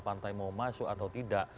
pantai mau masuk atau tidak